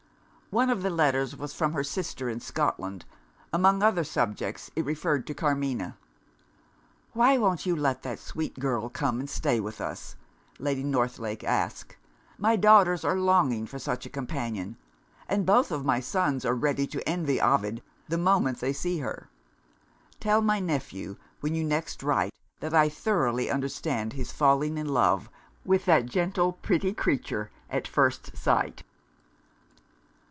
One of the letters was from her sister in Scotland. Among other subjects, it referred to Carmina. "Why won't you let that sweet girl come and stay with us?" Lady Northlake asked. "My daughters are longing for such a companion; and both my sons are ready to envy Ovid the moment they see her. Tell my nephew, when you next write, that I thoroughly understand his falling in love with that gentle pretty creature at first sight."